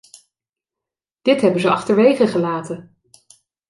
Dit hebben ze achterwege gelaten!